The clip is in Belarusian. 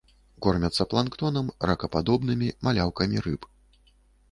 Кормяцца планктонам, ракападобнымі, маляўкамі рыб.